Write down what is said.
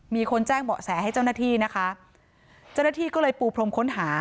มีคนแจ้งเบาะแสให้เจ้าหน้าที่นะคะเจ้าหน้าที่ก็เลยปูพรมค้นหา